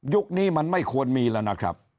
นี้มันไม่ควรมีแล้วนะครับ